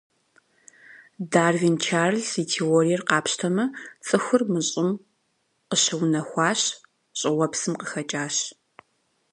Дарвин Чарльз и теориер къапщтэмэ, цӏыхур мы Щӏым къыщыунэхуащ, щӏыуэпсым къыхэкӏащ.